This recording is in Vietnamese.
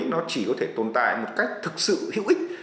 nó chỉ có thể tồn tại một cách thực sự hữu ích